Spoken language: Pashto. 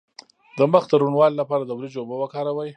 د مخ د روڼوالي لپاره د وریجو اوبه وکاروئ